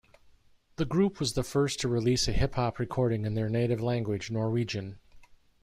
The group was the first to release a hiphop-recording in their native language, Norwegian.